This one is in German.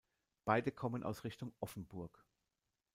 Beide kommen aus Richtung Offenburg.